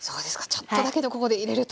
ちょっとだけどここで入れると。